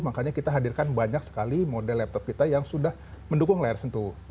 makanya kita hadirkan banyak sekali model laptop kita yang sudah mendukung layar sentuh